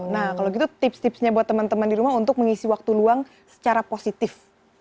nah kalau gitu tips tipsnya buat teman teman di rumah untuk mengisi waktu luang secara positif